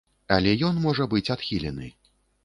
Але ён можа быць адхілены.